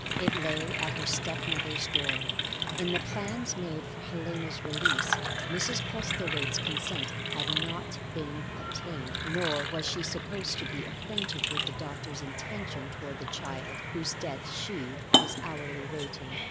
It lay at her step mother's door. In the plans made for Helena's release, Mrs. Postlethwaite's consent had not been obtained nor was she supposed to be acquainted with the doctor's intentions towards the child whose death she was hourly awaiting.